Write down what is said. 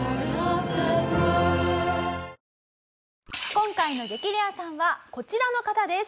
今回の激レアさんはこちらの方です。